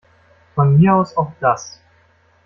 Von mir aus auch das.